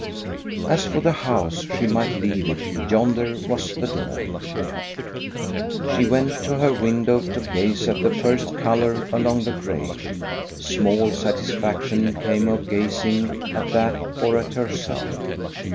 As for the house, she might leave it; yonder was the dawn. She went to her window to gaze at the first colour along the grey. Small satisfaction came of gazing at that or at herself.